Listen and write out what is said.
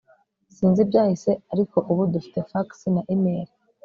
sinzi ibyahise, ariko ubu dufite fax na imeri